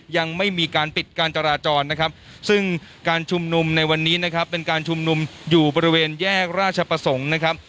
ยังไม่มีการปิดการจราจรนะครับซึ่งการชุมนุมในวันนี้นะครับเป็นการชุมนุมอยู่บริเวณแยกราชประสงค์นะครับ